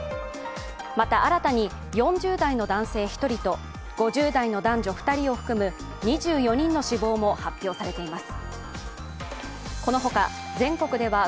また新たに４０代の男性１人と５０代の男女２人を含む２４人の死亡も発表されています。